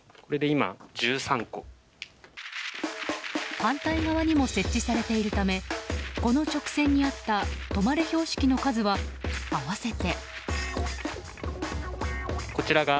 反対側にも設置されているためこの直線にあった「止まれ」標識の数は合わせて。